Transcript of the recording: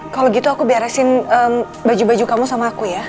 kalau gitu aku beresin baju baju kamu sama aku ya